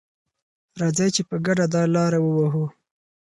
راځئ چې په ګډه دا لاره ووهو.